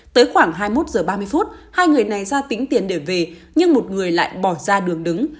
tới khoảng hai mươi một h ba mươi phút hai người này ra tính tiền để về nhưng một người lại bỏ ra đường đứng